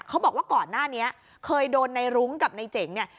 เขาบอกว่าก่อนหน้านี้เคยโดนในรุ้งกับในเจ๋งเนี่ย